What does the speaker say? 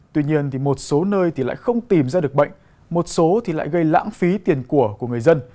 tuy nhiên một số nơi thì lại không tìm ra được bệnh một số thì lại gây lãng phí tiền của người dân